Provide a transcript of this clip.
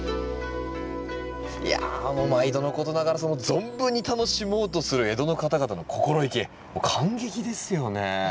いやもう毎度のことながらその存分に楽しもうとする江戸の方々の心意気感激ですよね。